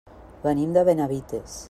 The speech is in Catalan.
Venim de Benavites.